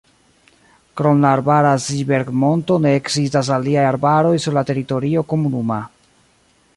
Krom la arbara Seeberg-monto ne ekzistas aliaj arbaroj sur la teritorio komunuma.